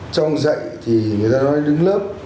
trong dạy thì người ta nói đứng lớp